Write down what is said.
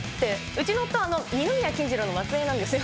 うちの夫二宮金次郎の末裔なんですよ。